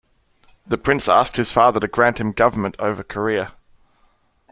The prince asked his father to grant him government over Korea.